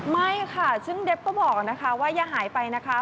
ไม่ค่ะซึ่งเดฟก็บอกนะคะว่าอย่าหายไปนะคะ